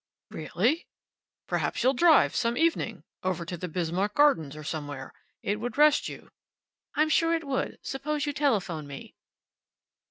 "Really! Perhaps you'll drive, some evening. Over to the Bismarck Gardens, or somewhere. It would rest you." "I'm sure it would. Suppose you telephone me."